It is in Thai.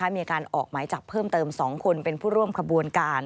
มีการออกหมายจับเพิ่มเติม๒คนเป็นผู้ร่วมขบวนการ